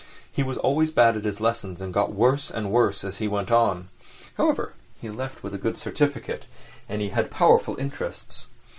He was always bad at his lessons and got worse and worse as he went on; however, he left with a good certificate, as he had powerful interests.